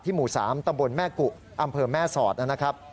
หมู่๓ตำบลแม่กุอำเภอแม่สอดนะครับ